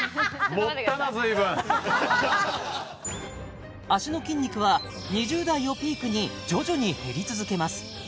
盛ったなずいぶん脚の筋肉は２０代をピークに徐々に減り続けます